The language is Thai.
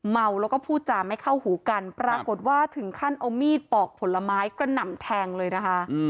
เมาแล้วก็พูดจาไม่เข้าหูกันปรากฏว่าถึงขั้นเอามีดปอกผลไม้กระหน่ำแทงเลยนะคะ